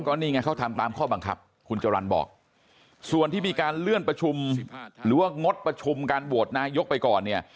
ก็นี่ไงเขาทำตามข้อบังคับคุณจรรย์บอกส่วนที่มีการเลื่อนประชุมหรือว่างดประชุมการโหวตนายกไปก่อนเนี่ย